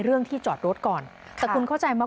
เรื่องที่จอดรถก่อนแต่คุณเข้าใจไหม